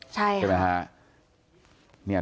ใช่ค่ะ